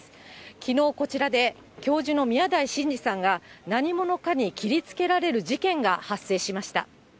きのう、こちらで、教授の宮台真司さんが、何者かに切りつけられる事件が発生しました。